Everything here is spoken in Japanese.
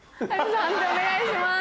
判定お願いします。